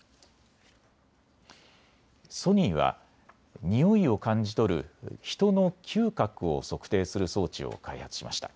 ソニーはにおいを感じ取る人の嗅覚を測定する装置を開発しました。